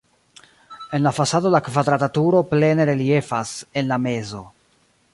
En la fasado la kvadrata turo plene reliefas en la mezo.